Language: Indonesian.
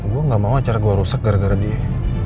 gue gak mau acara gue rusak gara gara dia